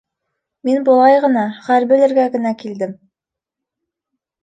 Мин былай ғына, хәл белергә генә килдем.